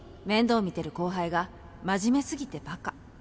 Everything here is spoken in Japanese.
面倒見てる後輩が真面目すぎてバカ。